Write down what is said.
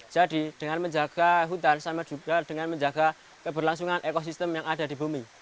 jadi dengan menjaga hutan sama juga dengan menjaga keberlangsungan ekosistem yang ada di bumi